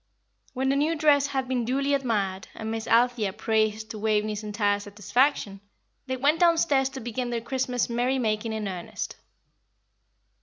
When the new dress had been duly admired and Miss Althea praised to Waveney's entire satisfaction, they went downstairs to begin their Christmas merry making in earnest.